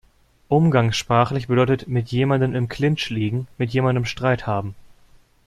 Umgangssprachlich bedeutet „mit jemandem im Clinch liegen“ mit jemandem Streit haben.